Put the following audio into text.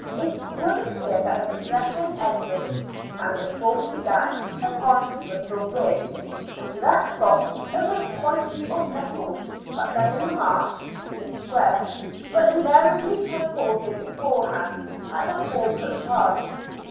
It would appear that the procession ended and the sports began upon Bristol Bridge, and to that spot a great quantity of nettles, cut down in the Marsh (Queen Square), were invariably transported beforehand at the corporate charge.